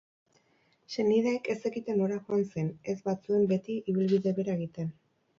Senideek ez zekiten nora joan zen, ez baitzuen beti ibilbide bera egiten.